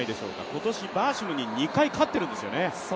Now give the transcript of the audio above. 今年バーシムに２回勝ってるんですよね。